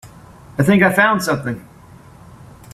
I think I found something.